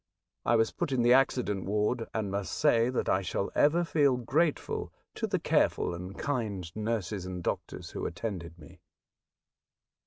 I was put in the acci dent ward, and must say that I shall ever feel grateful to the careful and kind nurses and doctors who attended me.